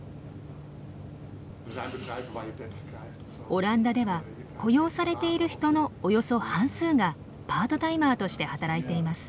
オランダでは雇用されている人のおよそ半数がパートタイマーとして働いています。